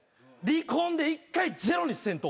離婚で一回ゼロにせんと。